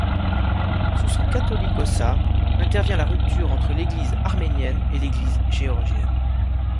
Sous son catholicossat intervient la rupture entre l'Église arménienne et l'Église géorgienne.